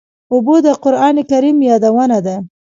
اوبه د قرآن کریم یادونه ده.